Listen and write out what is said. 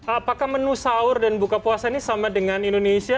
apakah menu sahur dan buka puasa ini sama dengan indonesia